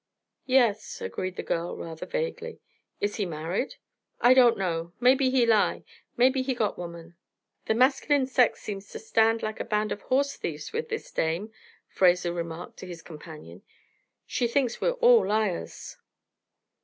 "Yes," agreed the girl, rather vaguely. "Is he married?" "I don't know. Maybe he lie. Maybe he got woman." "The masculine sex seems to stand like a band of horse thieves with this dame," Fraser remarked to his companion. "She thinks we're all liars."